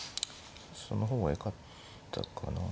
その方がよかったかな。